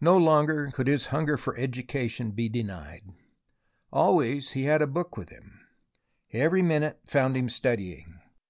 No longer could his hunger for education be denied. Always he had a book with him, every minute found him studying.